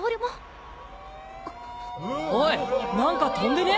・おい何か飛んでね？